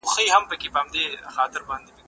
زه مخکي مېوې خوړلې وه؟!